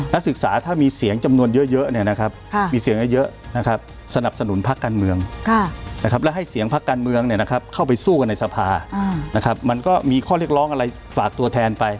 นักศึกษาถ้ามีเสียงจำนวนเยอะเนี่ยนะครับมีเสียงเยอะนะครับสนับสนุนพักการเมืองนะครับแล้วให้เสียงพักการเมืองเข้าไปสู้กันในสภานะครับมันก็มีข้อเรียกร้องอะไรฝากตัวแทนไป